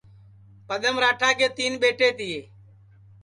پدم راٹا کے تین ٻیٹے تیے